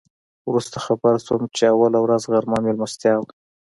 وروسته خبر شوم چې اوله ورځ غرمه میلمستیا وه.